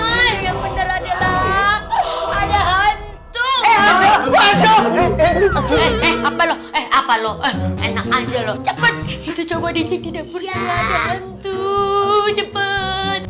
eh eh apa lo eh apa lo enak aja lo cepet dicapain di dapur ya ada hantu cepet